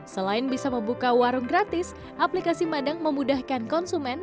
selain bisa membuka warung gratis aplikasi madang memudahkan konsumen